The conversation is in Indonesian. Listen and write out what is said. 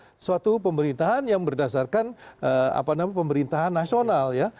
ini adalah suatu pemerintahan yang berdasarkan pemerintahan nasional ya